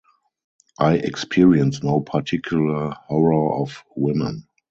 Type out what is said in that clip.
I experience no particular horror of women.